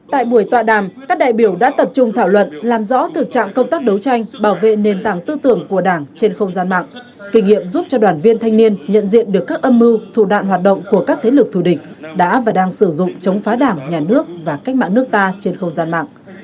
tại buổi tọa đàm các đại biểu đã tập trung thảo luận làm rõ thực trạng công tác đấu tranh bảo vệ nền tảng tư tưởng của đảng trên không gian mạng kinh nghiệm giúp cho đoàn viên thanh niên nhận diện được các âm mưu thủ đoạn hoạt động của các thế lực thù địch đã và đang sử dụng chống phá đảng nhà nước và cách mạng nước ta trên không gian mạng